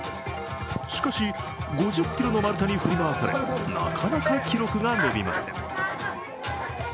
しかし、５０ｋｇの丸太に振り回されなかなか記録が伸びません。